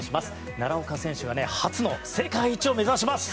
奈良岡選手は初の世界一を目指します！